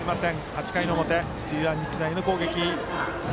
８回の表、土浦日大の攻撃。